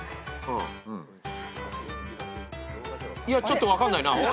いやちょっと分かんないな。